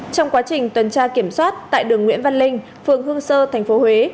trong quá trình tuần tra kiểm soát tại đường nguyễn văn linh phường hương sơ tp huế